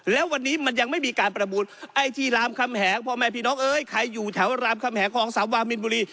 แล้ววันนี้มันยังไม่มีการประมูลไอ้ที่รามคำแหงพ่อแม่พี่น้องเอ้ยใครอยู่แถวรามคำแหงของสามวามินบุรี